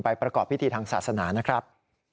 ประกอบพิธีทางศาสนานะครับ